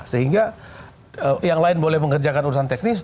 sehingga yang lain boleh mengerjakan urusan teknis